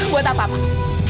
buat apa pak